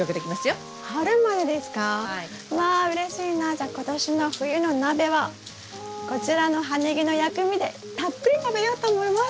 じゃあ今年の冬の鍋はこちらの葉ネギの薬味でたっぷり食べようと思います。